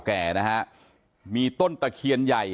ฐานพระพุทธรูปทองคำ